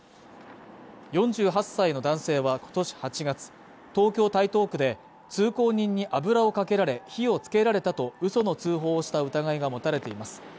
４８歳の男性は今年８月東京台東区で通行人に油をかけられ火をつけられたと嘘の通報をした疑いが持たれています